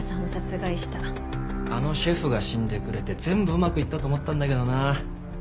あのシェフが死んでくれて全部うまくいったと思ったんだけどな。